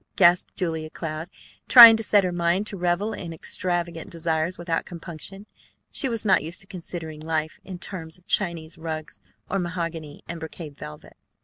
gasped Julia Cloud, trying to set her mind to revel in extravagant desires without compunction. She was not used to considering life in terms of Chinese rugs or mahogany and brocade velvet.